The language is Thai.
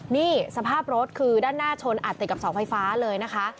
นี่สภาพรถคือด้านหน้าชนอัดติดกับเสาไฟฟ้าเลยนะคะ